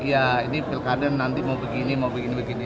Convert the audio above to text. ya ini pilkada nanti mau begini mau begini begini